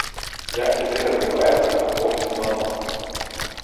Як цяпер адбываецца апошні званок?